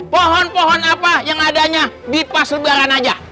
pohon pohon apa yang adanya di pas lebaran aja